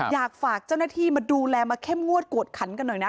อยากฝากเจ้าหน้าที่มาดูแลมาเข้มงวดกวดขันกันหน่อยนะ